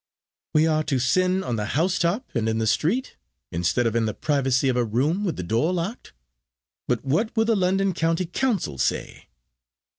"We are to sin on the house top and in the street, instead of in the privacy of a room with the door locked. But what will the London County Council say?"